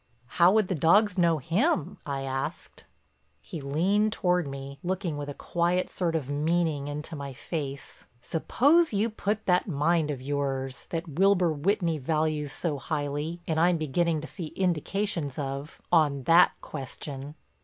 "How would the dogs know him?" I asked. He leaned toward me, looking with a quiet sort of meaning into my face: "Suppose you put that mind of yours, that Wilbur Whitney values so highly and I'm beginning to see indications of, on that question."